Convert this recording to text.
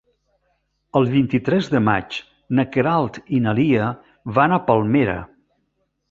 El vint-i-tres de maig na Queralt i na Lia van a Palmera.